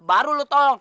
baru lu tolong